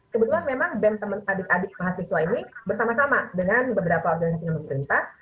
kebetulan memang bem teman adik adik mahasiswa ini bersama sama dengan beberapa organisasi pemerintah